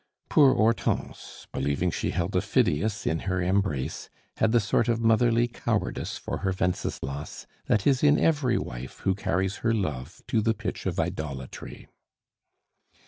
Poor Hortense, believing she held a Phidias in her embrace, had the sort of motherly cowardice for her Wenceslas that is in every wife who carries her love to the pitch of idolatry.